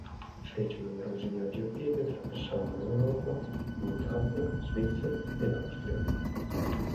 Fece numerosi viaggi a piedi attraverso l'Europa, in Italia, Svizzera ed Austria.